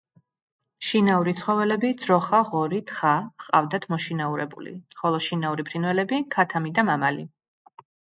შინაური ცხოველები ძროხა, ღორი, თხა ჰყავთ მოშინაურებული, ხოლო შინაური ფრინველები: ქათამი და მამალი.